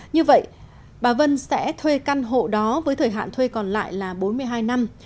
như vậy bà vân sẽ thuê căn hộ đó với thời hạn thuê còn lại là bốn mươi hai năm